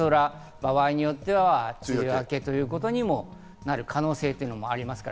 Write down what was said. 場合によっては梅雨明けということにもなる可能性があります。